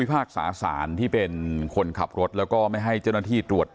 พากษาสารที่เป็นคนขับรถแล้วก็ไม่ให้เจ้าหน้าที่ตรวจ